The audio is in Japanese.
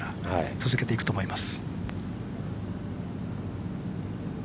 続けていくと思います。